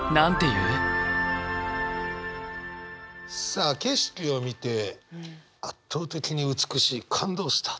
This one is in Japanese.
さあ景色を見て圧倒的に美しい感動した。